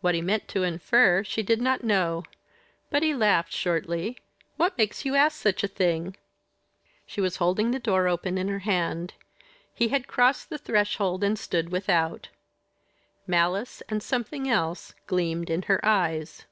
What he meant to infer, she did not know; but he laughed shortly, "What makes you ask such a thing?" She was holding the door open in her hand. He had crossed the threshold and stood without. Malice and something else gleamed in her eyes.